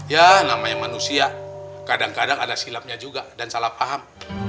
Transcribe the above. ya namanya manusia kadang kadang ada silapnya juga dan salah paham